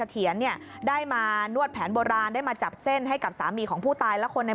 ทีนี้หลังจากที่เจ้าน้าที่มีการสอบปากคำแล้ว